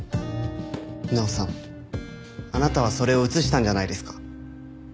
奈央さんあなたはそれを写したんじゃないですか？